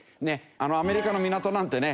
アメリカの港なんてね